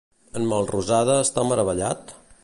En Melrosada està meravellat?